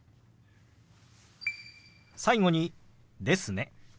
最後に「ですね」。